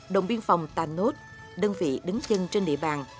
đồng biên phòng tà nốt đơn vị đứng chân trên địa bàn